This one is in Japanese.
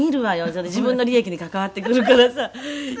だって自分の利益に関わってくるからさイヤよ」